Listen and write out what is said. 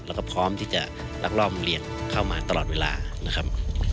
แล้วก็พร้อมที่จะลักลอบเรียนเข้ามาตลอดเวลานะครับ